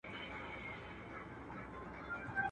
بابا به ويل، ادې به منل.